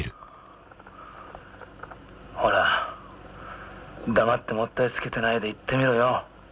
ほら黙ってもったいつけてないで言ってみろよ。